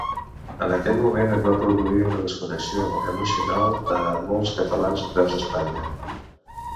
En aquell moment, es va produir una desconnexió emocional de molts catalans vers Espanya.